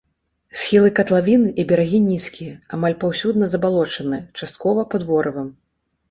Схілы катлавіны і берагі нізкія, амаль паўсюдна забалочаныя, часткова пад ворывам.